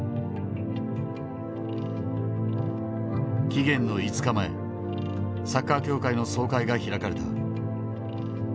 期限の５日前サッカー協会の総会が開かれた。